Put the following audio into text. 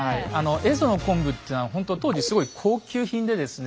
蝦夷の昆布っていうのはほんと当時すごい高級品でですね